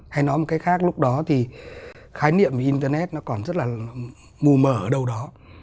hay nói một cách khác lúc đó thì khái niệm về internet nó còn rất là mù mở ở đâu đó